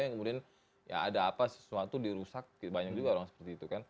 kemudian ada sesuatu dirusak banyak juga orang seperti itu